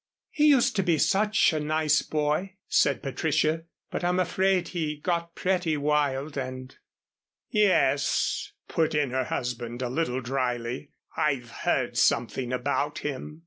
"He used to be such a nice boy," said Patricia. "But I'm afraid he got pretty wild and " "Yes," put in her husband, a little dryly. "I've heard something about him."